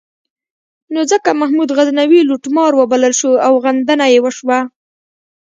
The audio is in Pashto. نو ځکه محمود غزنوي لوټمار وبلل شو او غندنه یې وشوه.